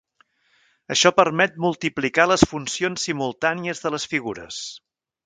Això permet multiplicar les funcions simultànies de les figures.